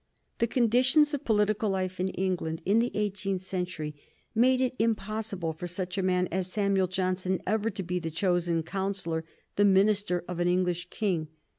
The conditions of political life in England in the eighteenth century made it impossible for such a man as Samuel Johnson ever to be the chosen counsellor, the minister of an English king.